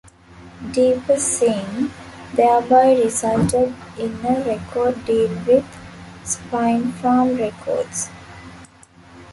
"Deeper Sin" thereby resulted in a record deal with Spinefarm Records.